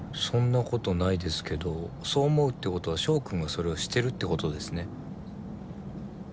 そんなことないですけどそう思うってことは翔君がそれをしてるってことですね。